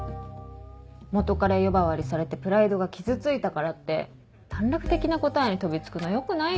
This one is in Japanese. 元カレ呼ばわりされてプライドが傷ついたからって短絡的な答えに飛び付くのよくないよ。